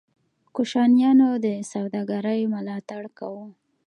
کوشانیانو د سوداګرۍ ملاتړ کاوه